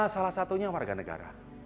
salah satunya warga negara